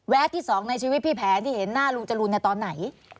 ที่๒ในชีวิตพี่แผนที่เห็นหน้าลุงจรูนตอนไหน